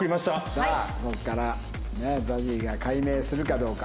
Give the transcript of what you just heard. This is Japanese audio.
さあここからＺＡＺＹが改名するかどうか。